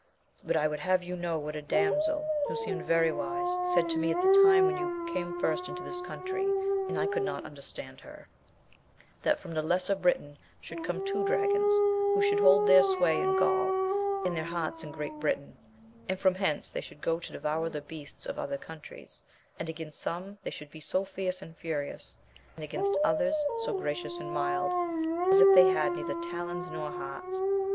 But I would have you know what a damsel, who seemed very wise, said to me at the time when, you came first into this country, and I could not understand her : That from the Lesser Britain should come two dragons, who should hold their sway in Gaul, and their hearts in Great Britain ; and from hence they should go to devour the beasts of other countries, and against some they should be so fierce and furious, and against others so gracious and mild, as if they had neither talons nor hearts.